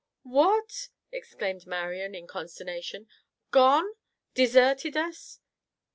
"What!" exclaimed Marian in consternation. "Gone? Deserted us?"